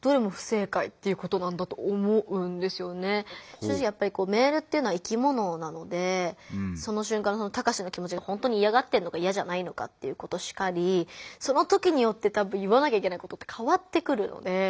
正直やっぱりメールっていうのは生きものなのでその瞬間のタカシの気もちがほんとにいやがってるのかいやじゃないのかっていうことしかりその時によって多分言わなきゃいけないことって変わってくるので。